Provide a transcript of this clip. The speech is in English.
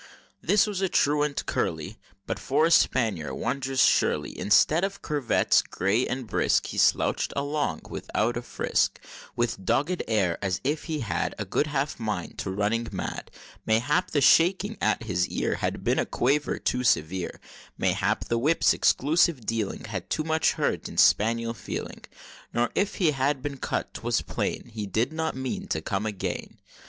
This other was a truant curly, But, for a spaniel, wondrous surely; Instead of curvets gay and brisk, He slouch'd along without a frisk, With dogged air, as if he had A good half mind to running mad; Mayhap the shaking at his ear Had been a quaver too severe; Mayhap the whip's "exclusive dealing" Had too much hurt e'en spaniel feeling, Nor if he had been cut, 'twas plain He did not mean to come again.